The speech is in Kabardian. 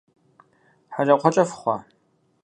ХьэкӀэкхъуэкӀэ фыхъуа?!